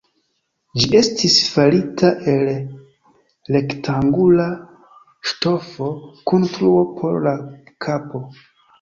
Ĝi estis farita el rektangula ŝtofo kun truo por la kapo.